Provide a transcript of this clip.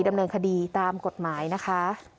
ดำเนินคดีตามกฎหมายนะคะ